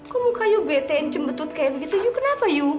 kok muka you bete and cembetut kayak begitu you kenapa you